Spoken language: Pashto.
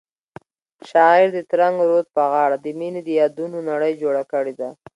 شاعر د ترنګ رود په غاړه د مینې د یادونو نړۍ جوړه کړې ده.